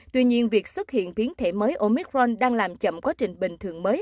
tuy nhiên việc xuất hiện biến thể mới omicron đang làm chậm quá trình bình thường mới